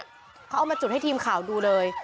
เขาเอามาจุดให้ทีมข่าวดูเลย